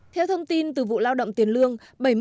theo thông tin từ vụ lao động tiền lương